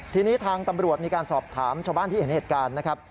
ทีนี้ทางตำรวจมีการสอบถามชาวบ้านที่เห็นเหตุการณ์นะครับ